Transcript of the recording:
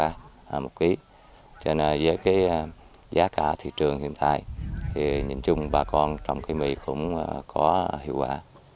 cho nên với giá cả thị trường hiện tại thì nhìn chung bà con trồng cây mì cũng có hiệu quả